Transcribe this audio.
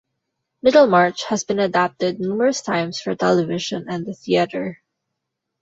"Middlemarch" has been adapted numerous times for television and the theatre.